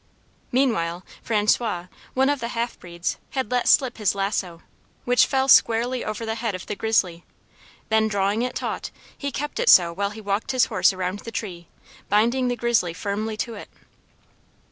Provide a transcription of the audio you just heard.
Meanwhile François, one of the half breeds, had let slip his lasso, which fell squarely over the head of the grizzly; then drawing it "taut," he kept it so while he slowly walked his horse around the tree, binding the grizzly firmly to it.